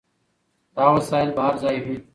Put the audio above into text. دا وسایل به هر ځای وي.